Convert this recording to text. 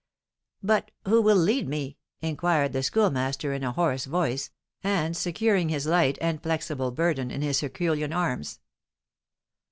"But who will lead me?" inquired the Schoolmaster, in a hoarse voice, and securing his light and flexible burden in his herculean arms.